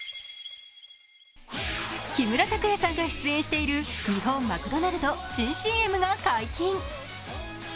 木村拓哉さんが出演している日本マクドナルド新ＣＭが解禁。